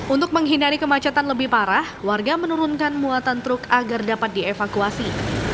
untuk menghindari kemacetan lebih parah warga menurunkan muatan truk agar dapat dievakuasi